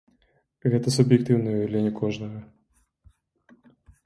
Гэта суб'ектыўнае ўяўленне кожнага.